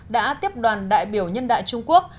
đã tiếp đoàn đại biểu nhân đại trung quốc